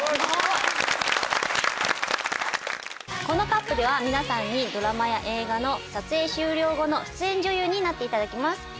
このＣＵＰでは皆さんにドラマや映画の撮影終了後の出演女優になっていただきます。